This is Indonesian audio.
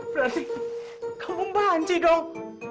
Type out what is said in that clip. berarti kamu banci dong